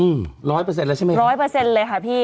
อืมร้อยเปอร์เซ็นแล้วใช่ไหมครับร้อยเปอร์เซ็นต์เลยค่ะพี่